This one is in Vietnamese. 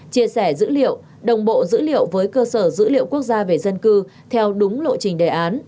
chia sẻ dữ liệu đồng bộ dữ liệu với cơ sở dữ liệu quốc gia về dân cư theo đúng lộ trình đề án